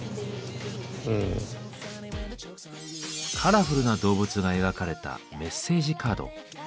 カラフルな動物が描かれたメッセージカード。